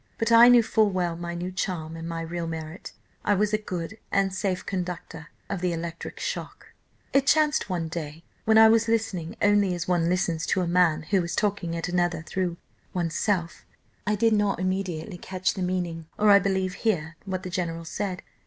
But I knew full well my new charm and my real merit; I was a good and safe conductor of the electric shock. "It chanced one day, when I was listening only as one listens to a man who is talking at another through oneself, I did not immediately catch the meaning, or I believe hear what the general said.